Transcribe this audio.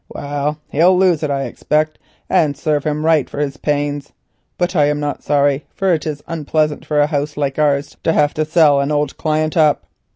Well, he'll lose it I expect, and serve him right for his pains. But I am not sorry, for it is unpleasant for a house like ours to have to sell an old client up.